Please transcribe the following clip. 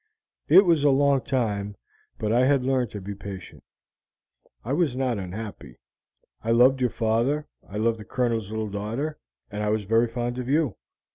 "It was a long time, but I had learnt to be patient. I was not unhappy; I loved your father, I loved the Colonel's little daughter; and I was very fond of you.